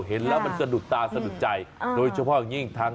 เห็นแล้วมันก็ดุตาสนุกใจอ่าโดยเฉพาะอย่างงี้ทาง